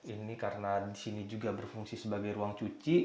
ini karena di sini juga berfungsi sebagai ruang cuci